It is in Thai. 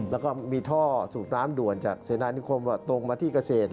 แล้วก็มีท่อสูบน้ำด่วนจากเสนานิคมตรงมาที่เกษตร